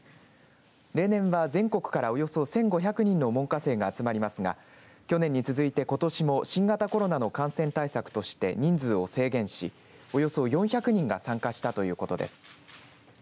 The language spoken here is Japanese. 例年は全国からおよそ１５００人の門下生が集まりますが去年に続いて、ことしも新型コロナの感染対策として人数を制限しおよそ４００人が参加したということです。